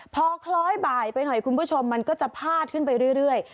พอคล้อยบ่ายไปหน่อยคุณผู้ชมมันก็จะพาดขึ้นไปเรื่อย